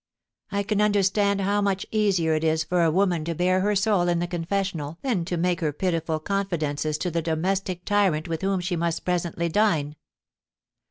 I can understand how much easier it is for a woman to bare her soul in the confessional than to make her pitiful confidences to the domestic tyrant with whom she must presently dine.'